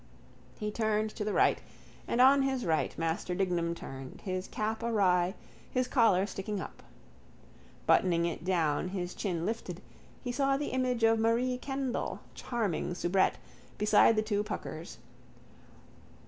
He turned to the right and on his right Master Dignam turned, his cap awry, his collar sticking up. Buttoning it down, his chin lifted, he saw the image of Marie Kendall, charming soubrette, beside the two puckers.